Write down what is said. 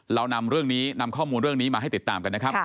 เรานำเรื่องนี้นำข้อมูลเรื่องนี้มาให้ติดตามกันนะครับ